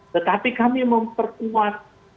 tetapi kami memperkuat